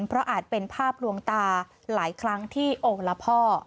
เพราะอาจเป็นภาพลวงตาหลายครั้งที่โอละพ่อ